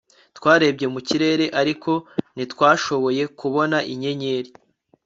twarebye mu kirere, ariko ntitwashoboye kubona inyenyeri